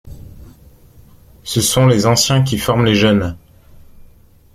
Ce sont les anciens qui forment les jeunes.